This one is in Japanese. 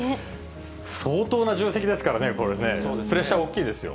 相当な重責ですからね、これね、プレッシャー、大きいですよ。